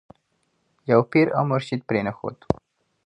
یو پیر او مرشد پرې نه ښود.